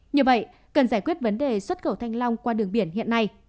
như vậy cần giải quyết vấn đề xuất khẩu thanh long qua đường biển hiện nay